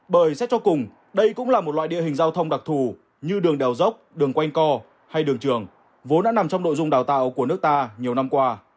bởi xét cho cùng đây cũng là một loại địa hình giao thông đặc thù như đường đèo dốc đường quanh co hay đường trường vốn đã nằm trong nội dung đào tạo của nước ta nhiều năm qua